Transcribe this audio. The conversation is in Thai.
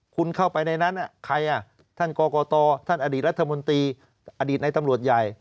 คุณเข้าไปในนั้นใครอ่ะท่านกรกตท่านอดีตรัฐมนตรีอดีตในตำรวจใหญ่